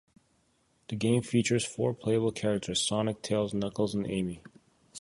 The game features four playable characters; Sonic, Tails, Knuckles and Amy.